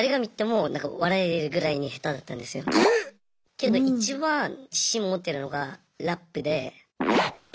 けどいちばん自信持ってるのがラップで。